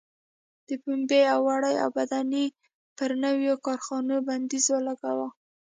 د پنبې او وړۍ اوبدنې پر نویو کارخونو بندیز ولګاوه.